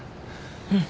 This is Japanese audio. うん。